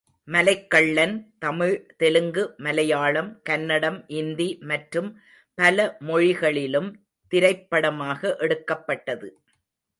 மலைக்கள்ளன், தமிழ், தெலுங்கு மலையாளம், கன்னடம், இந்தி, மற்றும் பல மொழிகளிலும் திரைப்படமாக எடுக்கப்பட்டது.